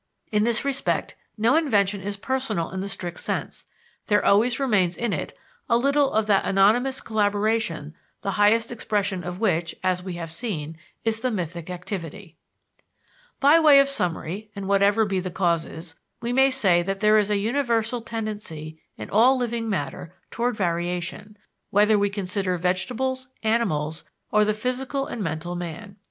In this respect, no invention is personal in the strict sense; there always remains in it a little of that anonymous collaboration the highest expression of which, as we have seen, is the mythic activity. By way of summary, and whatever be the causes, we may say that there is a universal tendency in all living matter toward variation, whether we consider vegetables, animals, or the physical and mental man.